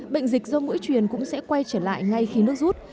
bệnh dịch do mũi truyền cũng sẽ quay trở lại ngay khi nước rút